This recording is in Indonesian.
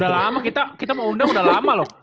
udah lama kita mau undang udah lama loh